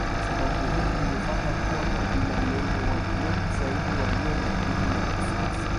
Sababu hii imefanya kuwa kabila lenye watu wengi zaidi walio na elimu ya kisasa